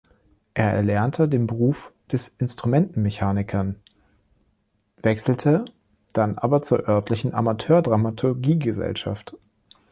Er erlernte den Beruf des Instrumentenmechanikern, wechselte dann aber zur örtlichen Amateur-Dramaturgie-Gesellschaft.